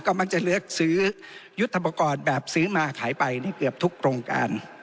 ก็มักจะเลือกซื้อยุธธรรมกรแบบซื้อมาขายไปในเกือบทุกโครงการ